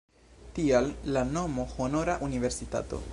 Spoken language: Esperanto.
Tial la nomo 'Honora universitato'.